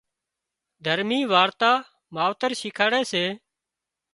دهرمي وارتا ماوتر شيکاڙي سي